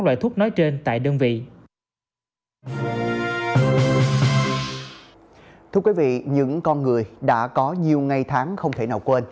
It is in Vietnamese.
loại thuốc nói trên tại đơn vị thưa quý vị những con người đã có nhiều ngày tháng không thể nào quên